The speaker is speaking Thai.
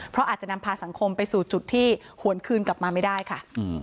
เพราะอาจจะนำพาสังคมไปสู่จุดที่หวนคืนกลับมาไม่ได้ค่ะ